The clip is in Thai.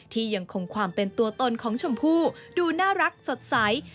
ที่ยังคงความเป็นตัวตนของชมพู่ดูน่ารักสดใส